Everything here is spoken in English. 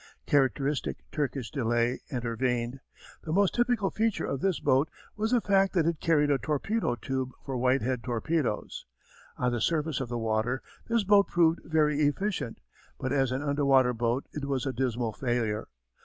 Characteristic Turkish delay intervened. The most typical feature of this boat was the fact that it carried a torpedo tube for Whitehead torpedoes. On the surface of the water this boat proved very efficient, but as an underwater boat it was a dismal failure.